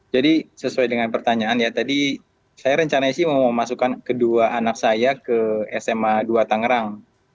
jadi sesuai dengan pertanyaan ya tadi saya rencananya sih mau memasukkan kedua anak saya ke sma dua tangerang